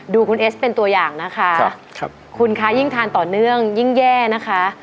ดูคุณเอสเป็นตัวอย่างนะคะคุณคะยิ่งทานต่อเนื่องยิ่งแย่นะคะ